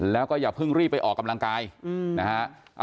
แล้วก็อย่าเพิ่งรีบไปออกกำลังกายนะฮะ